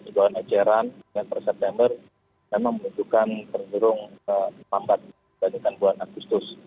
penjualan eceran per september memang menunjukkan penurunan pampat dibandingkan bulan agustus